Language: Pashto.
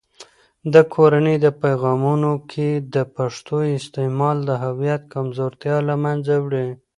د کورنۍ په پیغامونو کې د پښتو استعمال د هویت کمزورتیا له منځه وړي.